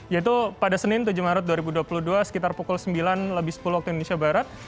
yaitu pada senin tujuh maret dua ribu dua puluh dua sekitar pukul sembilan lebih sepuluh waktu indonesia barat